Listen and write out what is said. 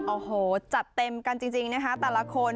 โอ้โหจัดเต็มกันจริงนะคะแต่ละคน